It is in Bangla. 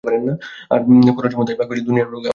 আর পোড়া যমও তাই বাগ পেয়েছে, দুনিয়ার রোগ আমাদের দেশে ঢুকছে।